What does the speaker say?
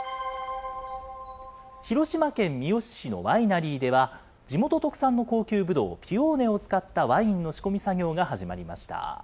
広島県三次市のワイナリーでは、地元特産の高級ブドウ、ピオーネを使ったワインの仕込み作業が始まりました。